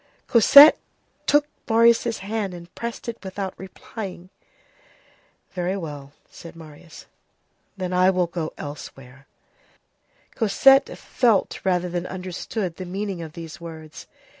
Cosette took Marius' hand, and pressed it without replying. "Very well," said Marius, "then I will go elsewhere." Cosette felt rather than understood the meaning of these words.